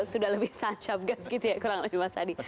sudah lebih tancap gas gitu ya kurang lebih mas adi